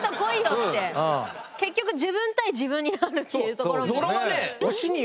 結局自分対自分になるっていうところ。